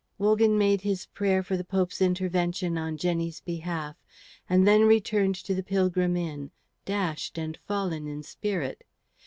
Wogan made his prayer for the Pope's intervention on Jenny's behalf and then returned to the Pilgrim Inn, dashed and fallen in spirit.